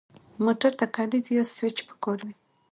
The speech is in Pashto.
موټر ته کلید یا سوئچ پکار وي.